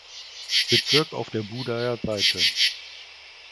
Bezirk auf Budaer Seite.